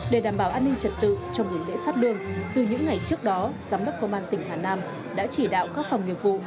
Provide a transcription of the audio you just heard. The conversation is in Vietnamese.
để đảm bảo an ninh trật tự trong nghỉ lễ phát lương từ những ngày trước đó giám đốc công an tỉnh hà nam đã chỉ đạo các phòng nghiệp vụ